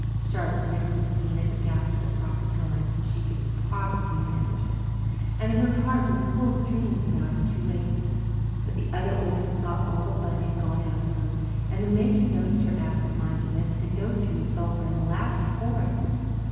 Charlotte never missed being at the gaps at the proper times, if she could possibly manage it, and her heart was full of dreams about her two Ladies. But the other orphans thought all the fun had gone out of her, and the matron noticed her absent mindedness and dosed her with sulphur and molasses for it.